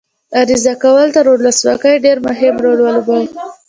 عریضه کول تر ولسواکۍ ډېر مهم رول ولوباوه.